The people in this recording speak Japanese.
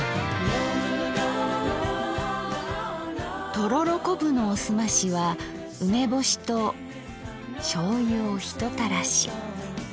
とろろこぶのおすましは梅干しと醤油をひとたらし。